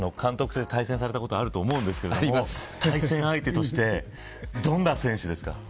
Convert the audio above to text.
対戦されたことあると思うんですけど対戦相手としてどんな選手ですか。